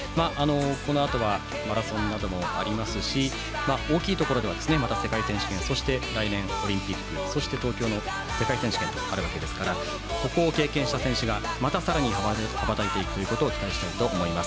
このあとはマラソンなどもありますし大きいところでは世界選手権そして、来年オリンピックそして東京の世界選手権とあるわけですからここを経験した選手がまたさらに羽ばたいていくことを期待したいと思います。